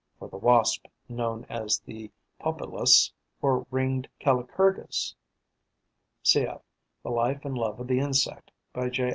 (For the Wasp known as the Pompilus, or Ringed Calicurgus, cf. "The Life and Love of the Insect", by J.